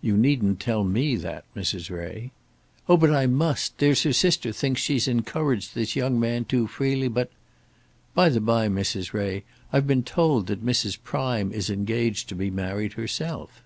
"You needn't tell me that, Mrs. Ray." "Oh! but I must. There's her sister thinks she's encouraged this young man too freely, but " "By the by, Mrs. Ray, I've been told that Mrs. Prime is engaged to be married herself."